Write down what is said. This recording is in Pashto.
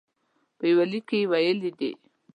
په یوه لیک کې ویلي دي.